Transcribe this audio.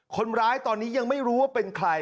คนร้ายตอนนี้ยังไม่รู้ว่าเป็นใคร